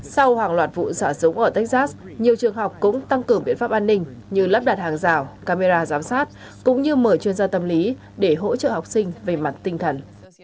sau hàng loạt vụ xả súng ở texas nhiều trường học cũng tăng cường biện pháp an ninh như lắp đặt hàng rào camera giám sát cũng như mở chuyên gia tâm lý để hỗ trợ học sinh về mặt tinh thần